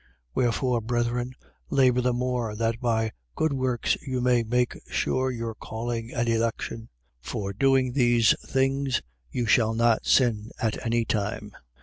1:10. Wherefore, brethren, labour the more, that by good works you may make sure your calling and election. For doing these things, you shall not sin at any time.